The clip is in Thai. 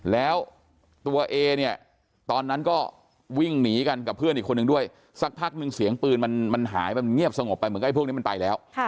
แล้วตัวเอเนี่ยตอนนั้นก็วิ่งหนีกันกับเพื่อนอีกคนนึงด้วยสักพักนึงเสียงปืนมันหายแบบเงียบสงบไปเหมือนกับไอพวกนี้มันไปแล้ว